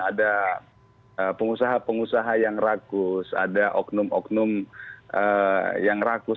ada pengusaha pengusaha yang rakus ada oknum oknum yang rakus